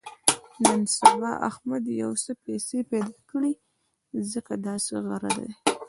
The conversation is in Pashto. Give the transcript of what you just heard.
نن سبا احمد یو څه پیسې پیدا کړې دي، ځکه داسې غره دی.